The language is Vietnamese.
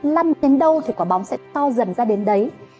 lăn đến đâu thì quả bóng sẽ to dần ra đến đấy